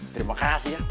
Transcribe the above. terima kasih ya